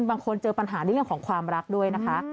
บางคนเจอปัญหาในเรื่องของความรักด้วยนะคะ